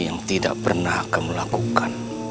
yang tidak pernah kamu lakukan